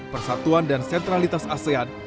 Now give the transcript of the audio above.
persatuan dan sentralitas asean